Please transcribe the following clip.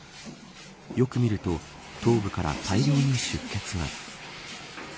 よく見ると頭部から大量の出血が。